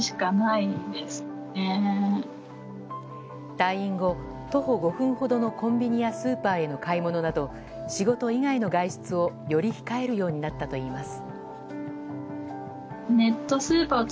退院後徒歩５分ほどのコンビニやスーパーへの買い物など仕事以外の外出をより控えるようになったといいます。